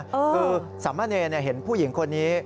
คือสามเมอร์เนยนเห็นผู้หญิงคนนี้